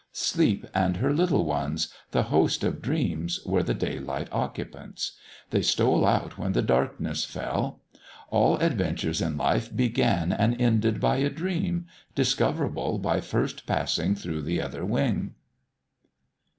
Sleep and her Little Ones, the host of dreams, were the daylight occupants. They stole out when the darkness fell. All adventures in life began and ended by a dream discoverable by first passing through the Other Wing.